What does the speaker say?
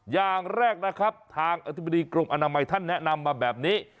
อย่างแรกนะครับทางอธิบดีกรมอนามัยท่านแนะนำมาแบบนี้